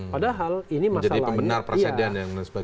padahal ini masalahnya